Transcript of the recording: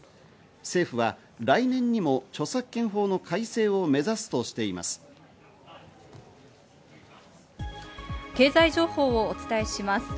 政府は来年にも著作権法の改正を経済情報をお伝えします。